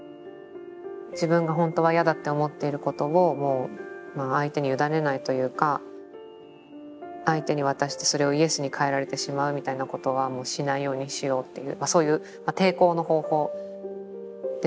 自分が本当は嫌だって思っていることをもう相手に委ねないというか相手に渡してそれをイエスに変えられてしまうみたいなことはもうしないようにしようっていうまあそういう抵抗の方法ですよね。